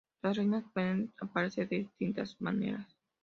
Las reinas pueden aparecer de distintas maneras.